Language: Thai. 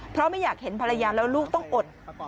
เพราะไม่อยากเห็นภรรยาแล้วลูกต้องอด